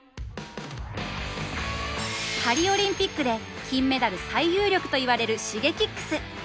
パリオリンピックで金メダル最有力と言われるＳｈｉｇｅｋｉｘ！